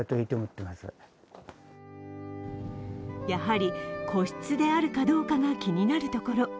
やはり個室であるかどうかが気になるところ。